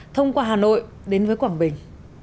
thông qua hà nội đến với quảng bình